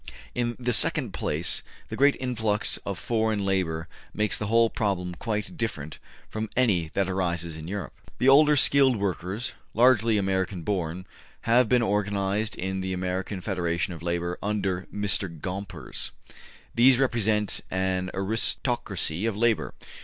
In the second place, the great influx of foreign labor makes the whole problem quite different from any that arises in Europe. The older skilled workers, largely American born, have long been organized in the American Federation of Labor under Mr. Gompers. These represent an aristocracy of labor.